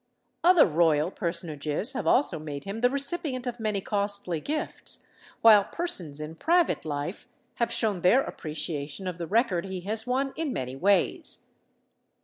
Other royal personages have also made him the recipient of many costly gifts, while persons in private life have shown their appreciation of the record he has won in many ways.